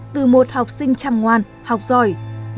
hãy đăng ký kênh để ủng hộ kênh của chúng mình nhé